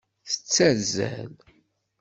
Tettazzal.